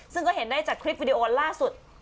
ซึ่งก็เห็นได้จากคลิปวิดีโอล่าสุด